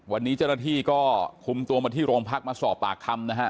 วันนี้เจ้าหน้าที่ก็คุมตัวมาที่โรงพักมาสอบปากคำนะฮะ